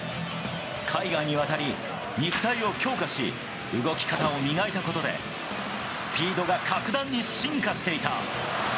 海外に渡り、肉体を強化し、動き方を磨いたことで、スピードが格段に進化していた。